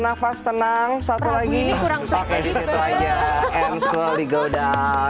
nafas tenang express ke betul saja and slowly gouda